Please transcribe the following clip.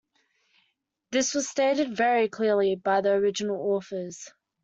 This was stated very clearly by the original authors.